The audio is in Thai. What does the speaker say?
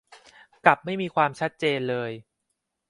กับไม่มีความชัดเจนเลย